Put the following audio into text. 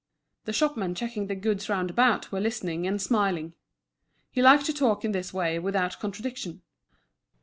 The shopmen checking the goods round about were listening and smiling. He liked to talk in this way without contradiction.